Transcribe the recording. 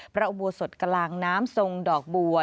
อุโบสถกลางน้ำทรงดอกบัว